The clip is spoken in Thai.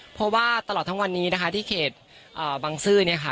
เพราะว่าตลอดทั้งวันนี้นะคะที่เขตบังซื้อเนี่ยค่ะ